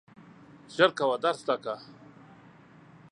ژر کوه درس زده کړه !